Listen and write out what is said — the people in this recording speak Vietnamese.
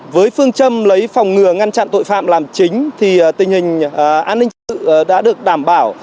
với phương châm lấy phòng ngừa ngăn chặn tội phạm làm chính thì tình hình an ninh sự đã được đảm bảo